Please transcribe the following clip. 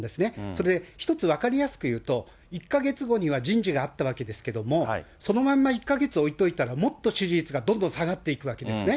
それで一つ分かりやすく言うと、１か月後には人事があったわけですけども、そのまんま１か月置いておいたら、もっと支持率がどんどん下がっていくわけですね。